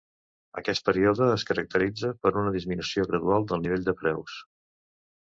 Aquest període es caracteritzà per una disminució gradual del nivell de preus.